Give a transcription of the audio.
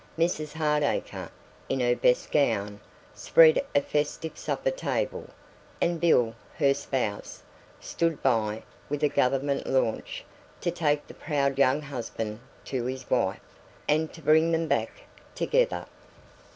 Mrs Hardacre, in her best gown, spread a festive supper table, and Bill, her spouse, stood by with a Government launch to take the proud young husband to his wife, and to bring them back together.